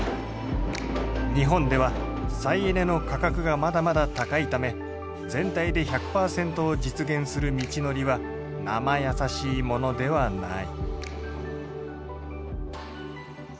日本では再エネの価格がまだまだ高いため全体で１００％を実現する道のりはなまやさしいものではない。